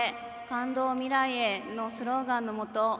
感動を未来へ。」のスローガンのもと。